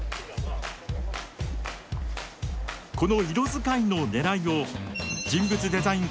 この色使いのねらいを人物デザイン